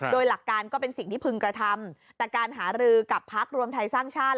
โดยหลักการก็เป็นสิ่งที่พึงกระทำแต่การหารือกับพักรวมไทยสร้างชาติ